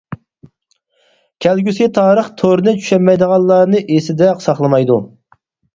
كەلگۈسى تارىخ تورنى چۈشەنمەيدىغانلارنى ئېسىدە ساقلىمايدۇ.